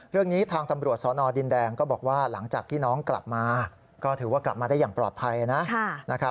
เรื่องนี้ทางตำรวจสนดินแดงก็บอกว่าหลังจากที่น้องกลับมาก็ถือว่ากลับมาได้อย่างปลอดภัยนะ